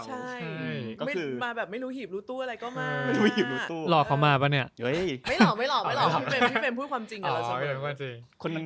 ใช่มาแบบไม่รู้หีบรู้ตู้อะไรก็มาหลอกเขามาป่ะเนี่ยไม่หลอกพี่เฟมพูดความจริงกับเรา